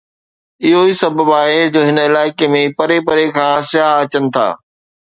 اهو ئي سبب آهي جو هن علائقي ۾ پري پري کان سياح اچن ٿا.